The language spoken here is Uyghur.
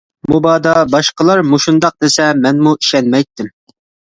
مۇبادا باشقىلار مۇشۇنداق دېسە مەنمۇ ئىشەنمەيتتىم.